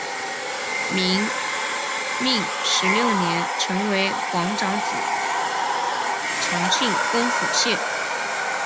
明命十六年成为皇长子长庆公府妾。